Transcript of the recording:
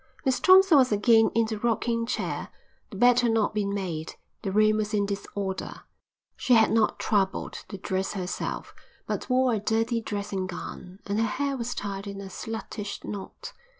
Miss Thompson was again in the rocking chair. The bed had not been made. The room was in disorder. She had not troubled to dress herself, but wore a dirty dressing gown, and her hair was tied in a sluttish knot.